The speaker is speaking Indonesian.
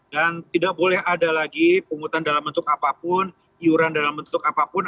dan tidak boleh ada lagi pungutan dalam bentuk apapun iuran dalam bentuk apapun